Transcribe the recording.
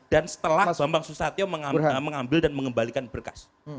dan setelah bambang susatyo mengambil dan mengembalikan berkas